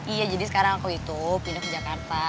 iya jadi sekarang aku itu pindah ke jakarta